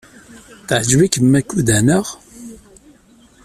Teɛjeb-ikem Makuda, naɣ?